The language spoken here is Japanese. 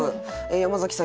山崎さん